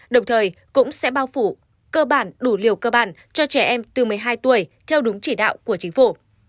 đồng thời cũng sẽ bao phủ cơ bản đủ liều cơ bản cho trẻ em từ một mươi hai tuổi theo đúng chỉ đạo của chính phủ